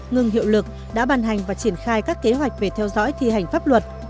ngừng hiệu lực đã bàn hành và triển khai các kế hoạch về theo dõi thi hành pháp luật